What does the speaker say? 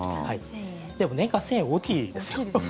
でも、年間１０００円大きいですよ。